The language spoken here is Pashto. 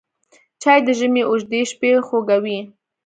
چای د ژمي اوږدې شپې خوږوي